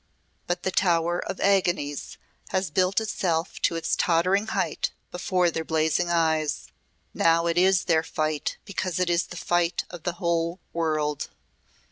But the tower of agonies has built itself to its tottering height before their blazing eyes. Now it is their fight because it is the fight of the whole world.